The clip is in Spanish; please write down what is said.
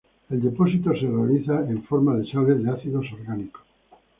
El depósito se realiza en forma de sales de ácidos orgánicos.